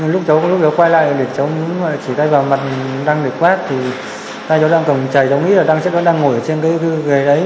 lúc cháu quay lại để cháu muốn chỉ tay vào mặt đăng để quát thì tay cháu đang cầm chày cháu nghĩ là đăng chắc vẫn đang ngồi trên cái ghế đấy